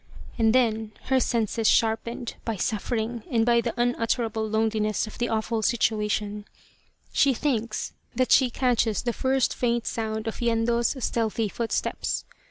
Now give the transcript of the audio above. And then, her senses sharpened by suffering and by the unutterable loneli ness of the awful situation, she thinks that she catches 75 The Tragedy of Kesa Gozen the first faint sound of Yendo's stealthy footsteps.